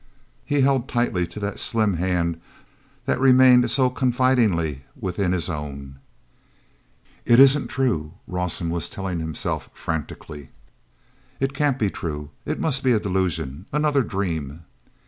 He held tightly to that slim hand that remained so confidingly within his own. "It isn't true," Rawson was telling himself frantically. "It can't be true. It must be a delusion, another dream."